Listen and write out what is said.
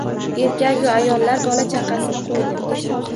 Erkagu ayollar bola-chaqasini qoʻydi